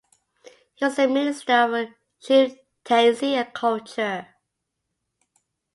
He was the Minister of Chieftaincy and Culture.